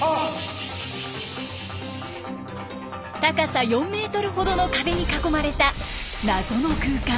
高さ４メートルほどの壁に囲まれた謎の空間。